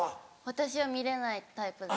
私は見れないタイプです。